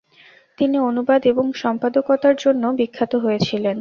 তিনি অনুবাদ এবং সম্পাদকতার জন্য বিখ্যাত হয়েছিলেন।